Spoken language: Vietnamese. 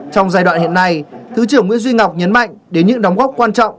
trong giai đoạn hiện nay thứ trưởng nguyễn duy ngọc nhấn mạnh đến những đóng góp quan trọng